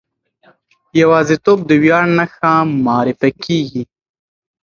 پوځي توب د ویاړ نښه معرفي کېږي.